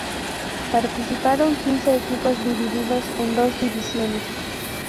Participaron quince equipos divididos en dos divisiones.